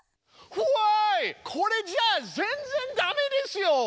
これじゃあ全然ダメですよ！